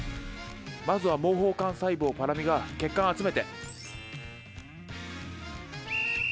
まずは毛包幹細胞ぱらみが血管集めて。